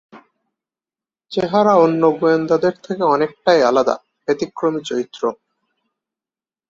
চেহারা অন্য গোয়েন্দাদের থেকে অনেকটাই আলাদা, ব্যতিক্রমী চরিত্র।